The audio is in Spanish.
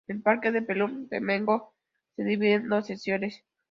El parque de Belum-Temenggor se divide en dos secciones.